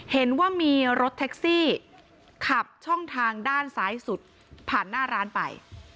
เห็นว่ามีรถแท็กซี่ขับช่องทางด้านซ้ายสุดผ่านหน้าร้านไป